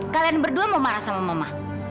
kalian berdua mau marah sama mama